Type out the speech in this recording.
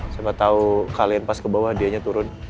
sama tahu kalian pas ke bawah dianya turun